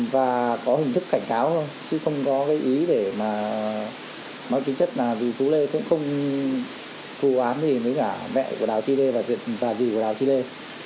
và có hình thức cảnh cáo thôi chứ không có ý để mà nói chính chất là vì phú lê cũng không phù án gì với cả mẹ của đào chi lê và dì của đào chi lê